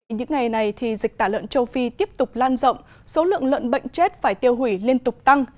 những ngày này dịch tả lợn châu phi tiếp tục lan rộng số lượng lợn bệnh chết phải tiêu hủy liên tục tăng